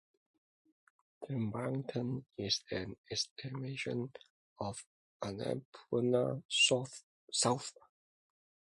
The mountain is an extension of Annapurna South.